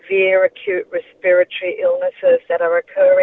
penyakit respiratif yang tidak di diagnosi